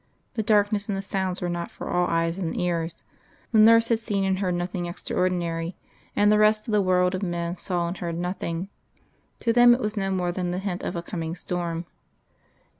The darkness and the sounds were not for all eyes and ears. The nurse had seen and heard nothing extraordinary, and the rest of the world of men saw and heard nothing. To them it was no more than the hint of a coming storm.